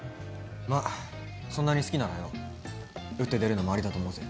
まあそんなに好きならよ打って出るのもありだと思うぜ。